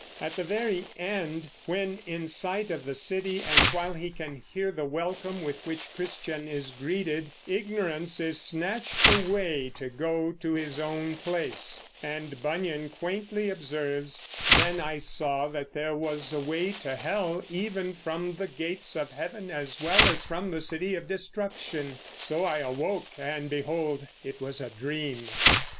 At the very end, when in sight of the city and while he can hear the welcome with which Christian is greeted, Ignorance is snatched away to go to his own place; and Bunyan quaintly observes, "Then I saw that there was a way to hell even from the gates of heaven as well as from the city of Destruction. So I awoke, and behold it was a dream!"